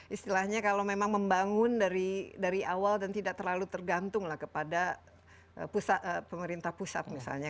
istilahnya kalau memang membangun dari awal dan tidak terlalu tergantung lah kepada pemerintah pusat misalnya